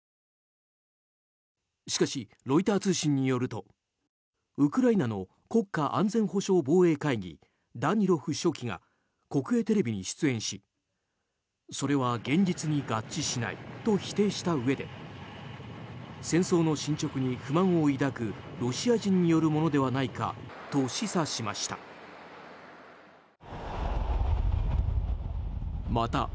しかし、ロイター通信によるとウクライナの国家安全保障防衛会議ダニロフ書記が国営テレビに出演しそれは現実に合致しないと否定したうえで戦争の進捗に不満を抱くロシア人によるものではないかと示唆しました。